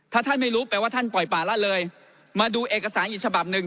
ถ้าท่านไม่รู้แปลว่าท่านปล่อยป่าละเลยมาดูเอกสารอีกฉบับหนึ่ง